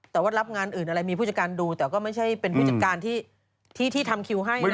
แต่ก็รับงานอื่นอะไรมีภูเจรการดูแต่ไม่ใช่ภูเจรการที่ทำคิวให้